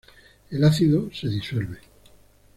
El ácido se disuelve.